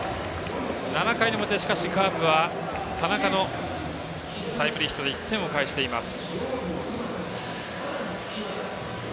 ７回の表、しかしカープは田中のタイムリーヒットで１点を返しています。